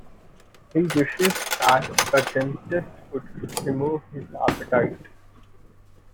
He wishes that a dentist could remove his appetite.